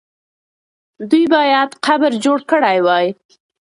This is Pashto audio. دوی باید قبر جوړ کړی وای.